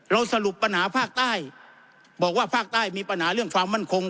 สรุปปัญหาภาคใต้บอกว่าภาคใต้มีปัญหาเรื่องความมั่นคง